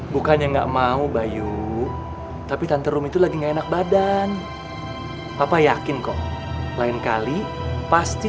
bukannya nggak mau bayu tapi tante rum itu lagi nggak enak badan papa yakin kok lain kali pasti